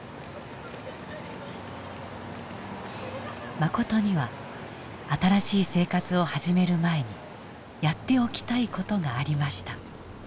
マコトには新しい生活を始める前にやっておきたい事がありました。